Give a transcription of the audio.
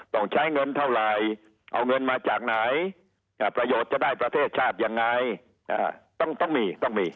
ต้องใช้เงินเท่าไหร่เอาเงินมาจากไหนประโยชน์จะได้ประเทศชาติยังไงต้องมีต้องมี